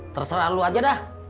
terserah lu aja dah